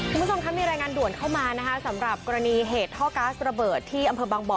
คุณผู้ชมครับมีรายงานด่วนเข้ามานะคะสำหรับกรณีเหตุท่อก๊าซระเบิดที่อำเภอบางบ่อ